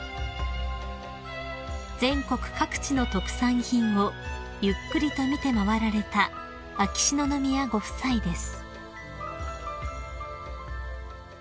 ［全国各地の特産品をゆっくりと見て回られた秋篠宮ご夫妻です］